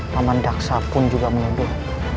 paman daksa pun juga menuduh